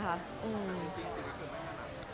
แต่จริงก็คือไม่ถนัด